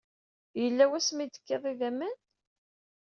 Yella wasmi ay tekiḍ idammen?